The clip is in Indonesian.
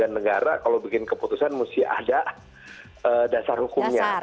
karena lembaga negara kalau bikin keputusan mesti ada dasar hukumnya